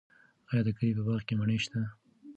آیا د کلي په باغ کې مڼې شته؟